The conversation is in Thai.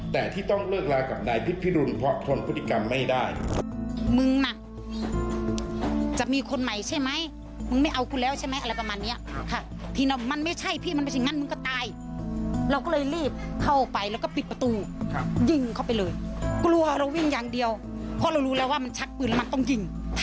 แต่ที่ต้องเลิกลากับนายพิษพิรุณเพราะทนพฤติกรรมไม่ได้